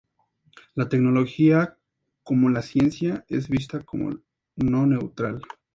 La tecnología, como la ciencia, es vista como no neutral.